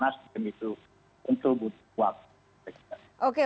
ya ponsel itu nggak guna ke like and subscribe channel ini